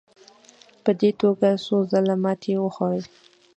په دې توګه څو ځله ماتې وخوړې.